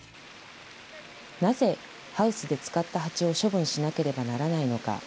なぜ、ハウスで使った蜂を処分しなければならないのか。